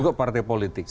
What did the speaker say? juga partai politik